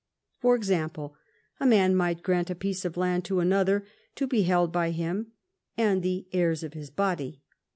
For example, a man might grant a piece of land to another to be held by him " and the heirs of his body."